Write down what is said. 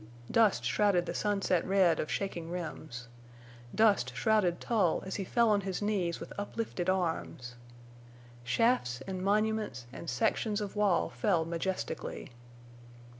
Dust shrouded the sunset red of shaking rims; dust shrouded Tull as he fell on his knees with uplifted arms. Shafts and monuments and sections of wall fell majestically.